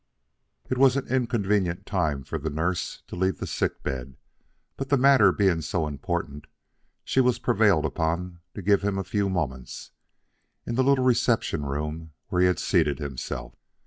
It was an inconvenient time for a nurse to leave the sick bed; but the matter being so important, she was prevailed upon to give him a few moments, in the little reception room where he had seated himself.